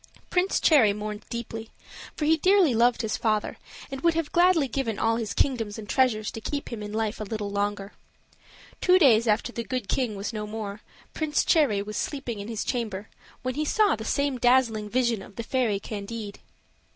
Prince Cherry mourned deeply, for he dearly loved his father, and would have gladly given all his kingdoms and treasures to keep him in life a little longer. Two days after the Good King was no more, Prince Cherry was sleeping in his chamber, when he saw the same dazzling vision of the fairy Candide.